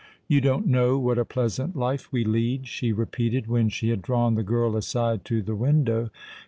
"You don't know what a pleasant life we lead," she repeated, when she had drawn the girl aside to the window.